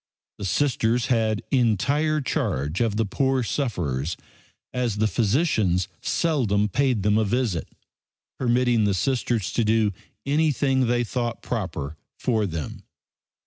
The Sisters had entire charge of the poor sufferers, as the physicians seldom paid them a visit, permitting the Sisters to do anything they thought proper for them.